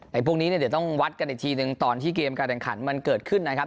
พวกนี้เนี่ยเดี๋ยวต้องวัดกันอีกทีหนึ่งตอนที่เกมการแข่งขันมันเกิดขึ้นนะครับ